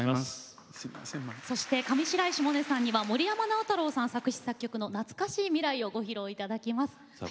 そして上白石萌音さんには森山直太朗さん作詞・作曲の「懐かしい未来」ご披露いただきます。